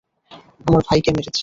আমার ভাইকে মেরেছে!